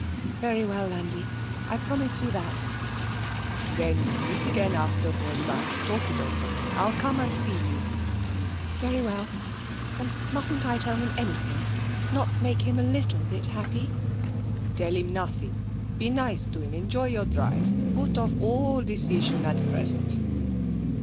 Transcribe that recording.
'Very well, Landi. I promise you that.' 'Then we'll meet again afterwards and talk it over. I'll come and see you.' 'Very well. And mustn't I tell him anything? Not make him a little bit happy?' 'Tell him nothing. Be nice to him. Enjoy your drive. Put off all decision at present.'